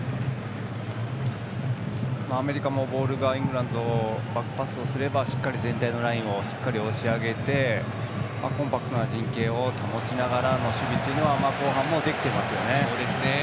アメリカもボールがイングランドはバックパスをすればしっかり全体のラインを押し上げてコンパクトな陣形を保ちながらの守備は後半もできています。